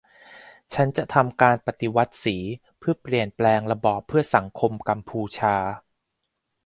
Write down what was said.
ฉันจะทำการปฏิวัติสีเพื่อเปลี่ยนแปลงระบอบเพื่อสังคมกัมพูชา